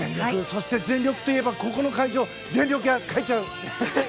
そして全力といえばここの会場全力で変えちゃう。